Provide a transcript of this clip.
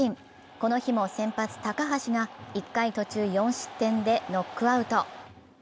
この日も先発・高橋が１回途中４失点てノックアウト。